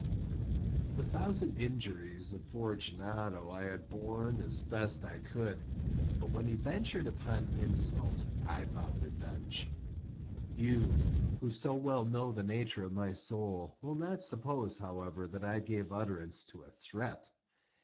The thousand injuries of Fortunato I had borne as I best could; but when he ventured upon insult, I vowed revenge. You, who so well know the nature of my soul, will not suppose, however, that I gave utterance to a threat.